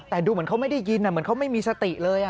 แต่ดูเหมือนเขาไม่ได้ยินเหมือนเขาไม่มีสติเลย